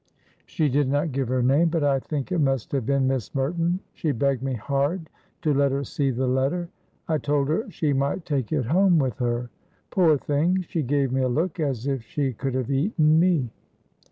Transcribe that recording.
"She did not give her name, but I think it must have been Miss Merton. She begged me hard to let her see the letter. I told her she might take it home with her. Poor thing! she gave me a look as if she could have eaten me."